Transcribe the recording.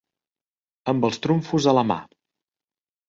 Amb els trumfos a la mà.